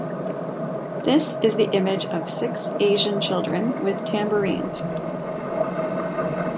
This is the image of six Asian children with tambourines.